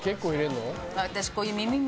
私。